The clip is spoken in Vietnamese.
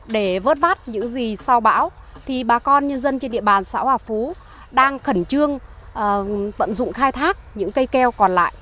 để vớt vát những gì sau bão thì bà con nhân dân trên địa bàn xã hòa phú đang khẩn trương tận dụng khai thác những cây keo còn lại